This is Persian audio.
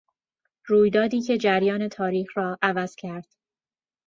رویدادی که جریان تاریخ را عوض کرد